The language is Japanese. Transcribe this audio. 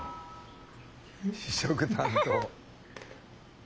試食担当。